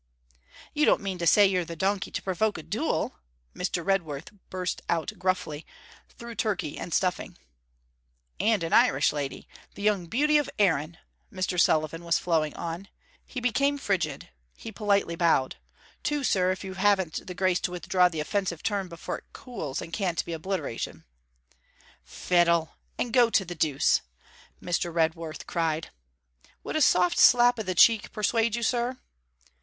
'You don't mean to say you're the donkey to provoke a duel!' Mr. Redworth burst out gruffly, through turkey and stuffing. 'And an Irish lady, the young Beauty of Erin!' Mr. Sullivan Smith was flowing on. He became frigid, he politely bowed: 'Two, sir, if you haven't the grace to withdraw the offensive term before it cools and can't be obliterated.' 'Fiddle! and go to the deuce!' Mr. Redworth cried. 'Would a soft slap o' the cheek persuade you, sir?'